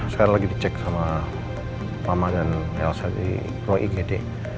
sekarang lagi di cas sama mama dan ilsa di deli kd